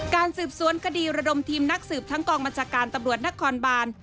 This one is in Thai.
การสืบสวนคดีระดมทีมนักสืบทั้งกองบัญชาการตำรวจนครบาน